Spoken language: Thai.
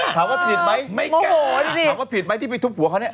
ถามว่าผิดไหมที่ไปทุบหัวเค้า